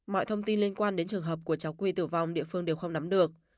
mọi thông tin liên quan đến trường hợp của cháu quy tử vong địa phương đều không nắm được